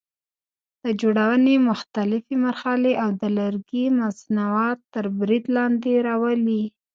د جوړونې مختلفې مرحلې او د لرګي مصنوعات تر برید لاندې راولي.